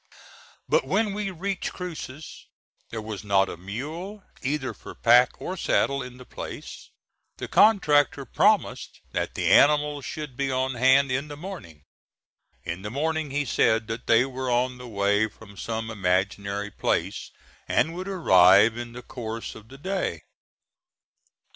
But when we reached Cruces there was not a mule, either for pack or saddle, in the place. The contractor promised that the animals should be on hand in the morning. In the morning he said that they were on the way from some imaginary place, and would arrive in the course of the day.